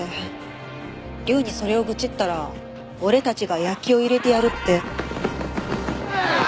竜にそれを愚痴ったら俺たちが焼きを入れてやるって。